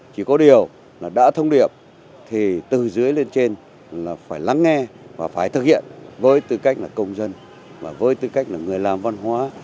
chỉ có điều là đã thông điệp thì từ dưới lên trên là phải lắng nghe và phải thực hiện với tư cách là công dân mà với tư cách là người làm văn hóa